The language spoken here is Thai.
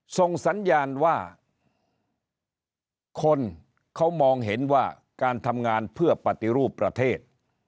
ส่งสัญญาณว่าคนเขามองเห็นว่าการทำงานเพื่อปฏิรูปประเทศ